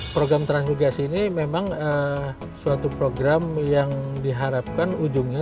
program transmigrasi ini memang suatu program yang diharapkan ujungnya